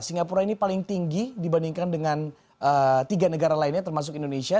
singapura ini paling tinggi dibandingkan dengan tiga negara lainnya termasuk indonesia